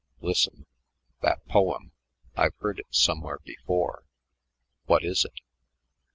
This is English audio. "Listen. That poem, I've heard it somewhere before. What is it?"